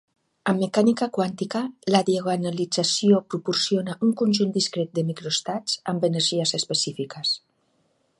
En mecànica quàntica, la diagonalització proporciona un conjunt discret de microestats amb energies específiques.